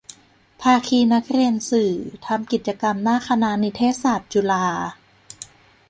ภาคีนักเรียนสื่อ ทำกิจกรรมหน้าคณะนิเทศศาสตร์ จุฬา